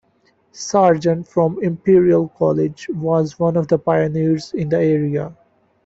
Sargent from Imperial College was one of the pioneers in the area.